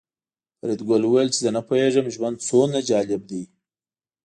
فریدګل وویل چې زه نه پوهېږم ژوند څومره جالب دی